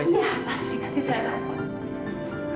nanti apa sih nanti saya dapet